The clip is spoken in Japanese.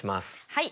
はい。